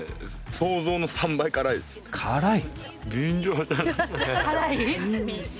辛い？